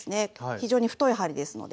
非常に太い針ですので。